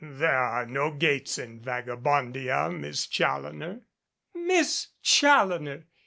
"There are no gates in Vagabondia, Miss Challoner." "Miss Challoner